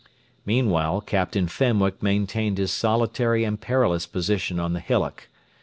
Meanwhile Captain Fenwick maintained his solitary and perilous position on the hillock.